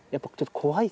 怖い？